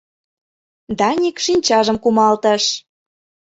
Даник шинчажым кумалтыш.